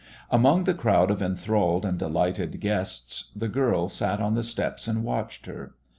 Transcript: Among the crowd of enthralled and delighted guests, the girl sat on the steps and watched her.